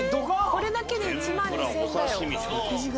これだけで１万２０００円だよ。